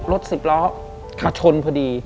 รถสิบล้อมาชนพอดี